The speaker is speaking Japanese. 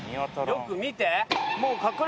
よく見て。